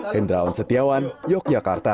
hendraon setiawan yogyakarta